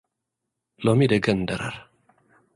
ሎሚ ደገ ንደረር!